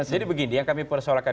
jadi begini yang kami persoalkan